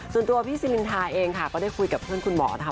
ส่วนตัวพี่ซิลินทาเองค่ะก็ได้คุยกับเพื่อนคุณหมอนะคะ